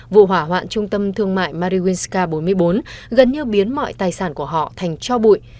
vụ hỏa hoạn trung tâm thương mại marinska bốn mươi bốn gần như biến mọi tài sản của họ thành cho bụi